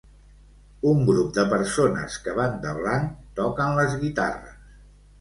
Un grup de persones que van de blanc, toquen les guitarres.